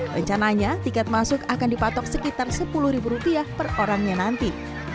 rencananya tiket masuk akan dipatok sekitar sepuluh ribu rupiah per orangnya nanti